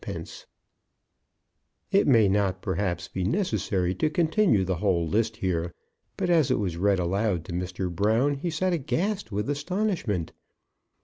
_ It may not, perhaps, be necessary to continue the whole list here; but as it was read aloud to Mr. Brown, he sat aghast with astonishment.